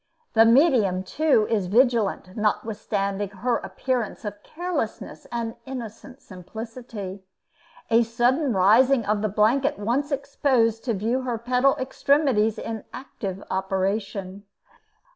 The medium, too, is vigilant, notwithstanding her appearance of carelessness and innocent simplicity. A sudden rising of the blanket once exposed to view her pedal extremities in active operation.